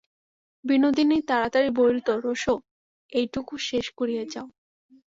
বিনোদিনী তাড়াতাড়ি বলিত, রোসো, এইটুকু শেষ করিয়া যাও।